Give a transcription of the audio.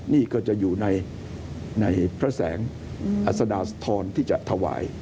นี่ก็จะอยู่ในพระแสงอัศดาสะทรที่จะถวาย